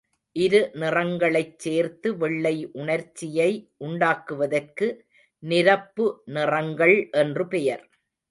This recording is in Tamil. இரு நிறங்களைச் சேர்த்து, வெள்ளை உணர்ச்சியை உண்டாக்குவதற்கு நிரப்பு நிறங்கள் என்று பெயர்.